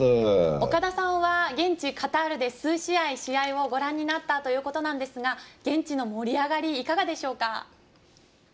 岡田さんは現地カタールで数試合ご覧になったということですが現地の盛り上がりいかがでしょうか？